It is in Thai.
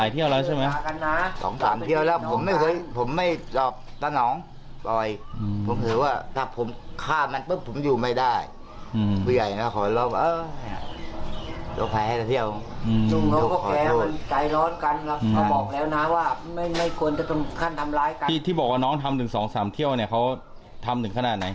ที่บอกว่าน้องทำ๑๒๓เที่ยวเนี่ยเขาทำถึงขนาดไหน